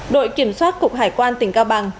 đội kiểm soát cục hải quan tỉnh cao bằng